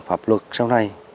vi phạm hợp luật sau này